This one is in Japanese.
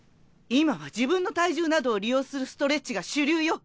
今は自分の体重などを利用するストレッチが主流よ！